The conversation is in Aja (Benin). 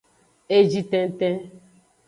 Eji tenten.